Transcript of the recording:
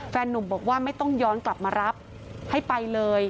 นุ่มบอกว่าไม่ต้องย้อนกลับมารับให้ไปเลย